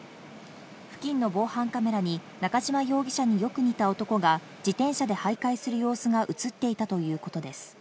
付近の防犯カメラに、中島容疑者によく似た男が自転車で徘徊する様子が映っていたということです。